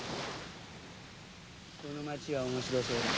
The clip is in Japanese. この町は面白そうだ。